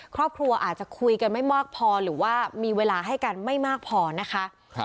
ครอบครัวอาจจะคุยกันไม่มากพอหรือว่ามีเวลาให้กันไม่มากพอนะคะ